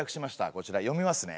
こちら読みますね。